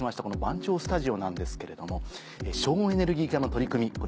この番町スタジオなんですけれども省エネルギー化の取り組み